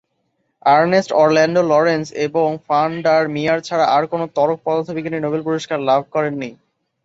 Ernst Orlando Lawrence এবং van der Meer ছাড়া আর কোন ত্বরক পদার্থবিজ্ঞানী নোবেল পুরস্কার লাভ করেন নি।